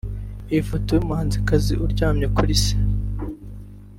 Iyi foto y’uyu muhanzikazi aryamye kuri se